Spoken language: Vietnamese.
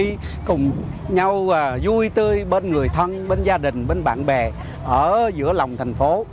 cùng nhau selfie cùng nhau vui tươi bên người thân bên gia đình bên bạn bè ở giữa lòng thành phố